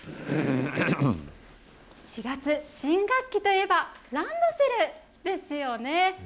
４月、新学期といえば、ランドセルですよね。